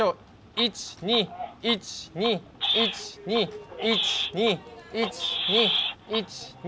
１２１２１２１２１２１２。